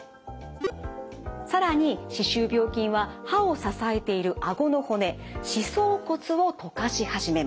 更に歯周病菌は歯を支えているあごの骨歯槽骨を溶かし始めます。